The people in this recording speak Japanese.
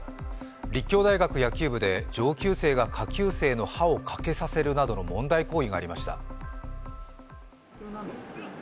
立教大学野球部で上級生が下級生の歯を欠けさせるなどの問題行為がありました。